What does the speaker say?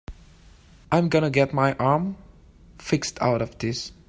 I'm gonna get my arm fixed out of this.